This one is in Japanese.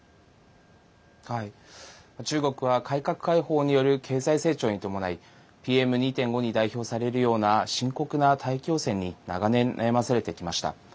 中国は改革開放による経済成長に伴いＰＭ２．５に代表されるような深刻な大気汚染に長年、悩まされてきました。